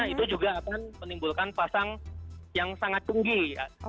itu juga akan menimbulkan pasang yang sangat tinggi ya